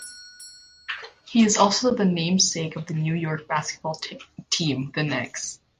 He is also the namesake of the New York basketball team, The Knicks.